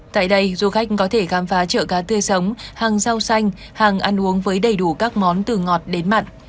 tại đây du khách có thể khám phá chợ cá tươi sống hàng rau xanh hàng ăn uống với đầy đủ các món từ ngọt đến mặn